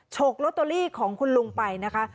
ฉกลอตเตอรี่ของคุณลุงไปนะคะ